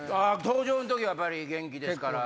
登場の時やっぱり元気ですから。